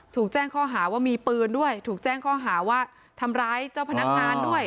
ถูกแจ้งข้อหาว่ามีปืนด้วยถูกแจ้งข้อหาว่าทำร้ายเจ้าพนักงานด้วย